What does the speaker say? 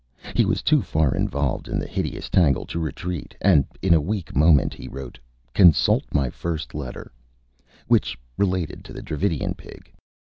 He was too far involved in the hideous tangle to retreat, and, in a weak moment, he wrote: "Consult my first letter." Which related to the Dravidian Pig.